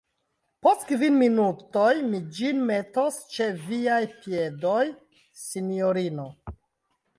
Post kvin minutoj mi ĝin metos ĉe viaj piedoj, sinjorino.